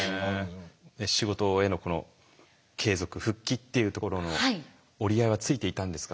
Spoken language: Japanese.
仕事への継続復帰っていうところの折り合いはついていたんですか？